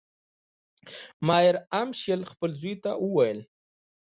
مایر امشیل خپل زوی ته وویل.